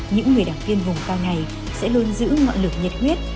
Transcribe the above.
những người đảng viên vùng cao này sẽ luôn giữ ngọn lửa nhiệt huyết